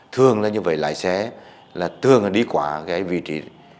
thường là như vậy lái xe là thường là đi quả cái vị trí